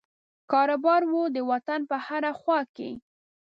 کاروبار وو د وطن په هره خوا کې.